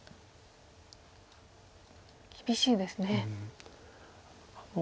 厳しいですね。